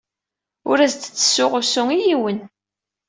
Ur as-d-ttessuɣ usu i yiwen.